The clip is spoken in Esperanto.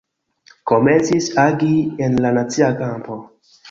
Komencis agi en la nacia kampo.